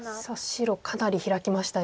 白かなりヒラきましたよ。